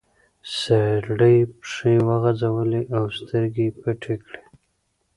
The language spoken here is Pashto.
سړي پښې وغځولې او سترګې پټې کړې.